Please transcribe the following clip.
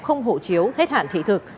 không hộ chiếu hết hạn thị thực